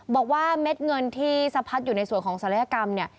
บอกว่าเม็ดเงินที่สะพัดอยู่ในส่วนของศัลยกรรมเนี่ย